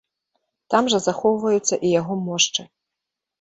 Там жа захоўваюцца і яго мошчы.